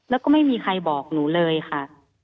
แล้วก็ไม่มีใครบอกหนูเลยค่ะ